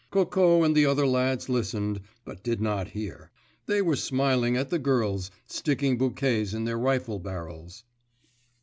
Coco and the other lads listened, but did not hear; they were smiling at the girls sticking bouquets in their rifle barrels.